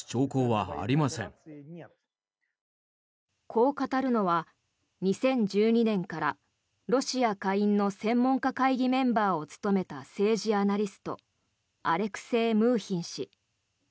こう語るのは２０１２年からロシア下院の専門家会議メンバーを務めた政治アナリストアレクセイ・ムーヒン氏。